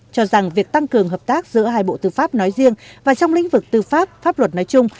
cho rằng việc tăng cường hợp tác giữa hai bộ tư pháp nói riêng và trong lĩnh vực tư pháp pháp luật nói chung